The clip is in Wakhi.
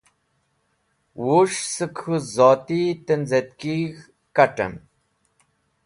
Wush sẽk k̃hu zoti tenzẽtkig̃h (websid̃) kat̃ẽm